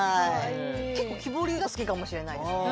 結構木彫りが好きかもしれないですね。